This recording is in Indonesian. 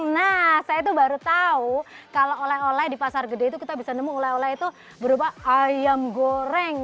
nah saya tuh baru tahu kalau oleh oleh di pasar gede itu kita bisa nemu oleh oleh itu berupa ayam goreng